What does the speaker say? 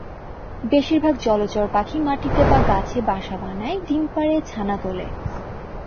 বেশিরভাগ জলচর পাখি মাটিতে বা গাছে বাসা বানায়, ডিম পাড়ে, ছানা তোলে।